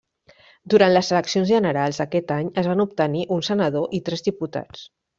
Durant les eleccions generals d'aquest any en van obtenir un senador i tres diputats.